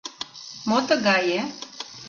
«Мо тыгае?